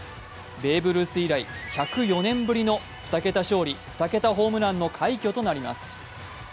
ベーブ・ルース以来１０４年ぶりの２桁勝利、２桁ホームランの快挙となります。